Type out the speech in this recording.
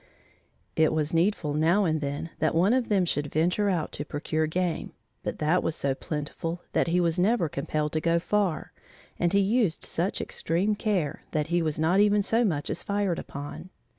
It was needful now and then that one of them should venture out to procure game, but that was so plentiful that he was never compelled to go far, and he used such extreme care that he was not even so much as fired upon.